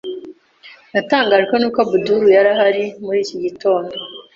Natangajwe nuko Abdul yari ahari muri iki gitondo.